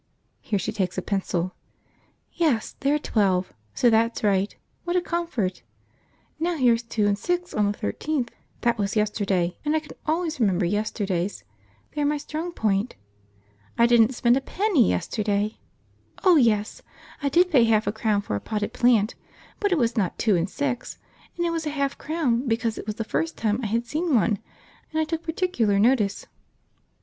(Here she takes a pencil.) Yes, they are twelve, so that's right; what a comfort! Now here's two and six on the 13th. That was yesterday, and I can always remember yesterdays; they are my strong point. I didn't spend a penny yesterday; oh yes! I did pay half a crown for a potted plant, but it was not two and six, and it was a half crown because it was the first time I had seen one and I took particular notice.